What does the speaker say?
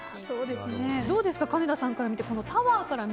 どうですかかね